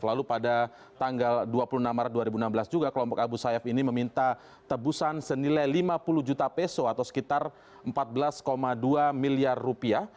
lalu pada tanggal dua puluh enam maret dua ribu enam belas juga kelompok abu sayyaf ini meminta tebusan senilai lima puluh juta peso atau sekitar empat belas dua miliar rupiah